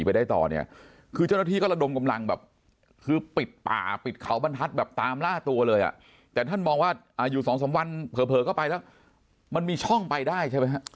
เผลอก็ไปแล้วมันมีช่องไปได้ใช่ไหมฮะ